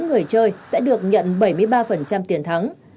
người chơi sẽ được nhận bảy mươi ba tiền thắng